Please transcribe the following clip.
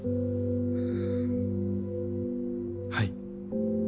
はい。